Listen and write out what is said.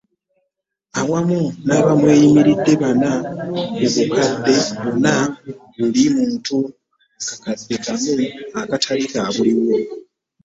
Awamu n'abamweyimiridde bana ku bukadde buna buli muntu akakadde kamu akatali ka buliwo.